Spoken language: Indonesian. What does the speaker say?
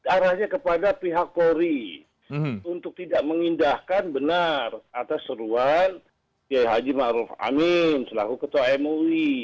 arahnya kepada pihak kori untuk tidak mengindahkan benar atas seruan yaya haji ma'ruf amin selaku ketua mui